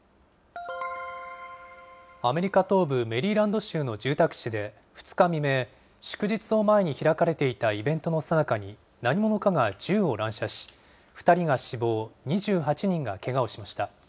アメリカ東部メリーランド州の住宅地で、２日未明、祝日を前に開かれていたイベントのさなかに、何者かが銃を乱射し、２人が死亡、２８人がけがをしました。